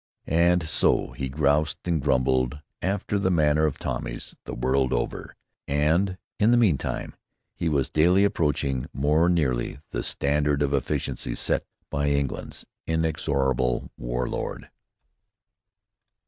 And so he "groused" and grumbled after the manner of Tommies the world over. And in the mean time he was daily approaching more nearly the standard of efficiency set by England's inexorable War Lord.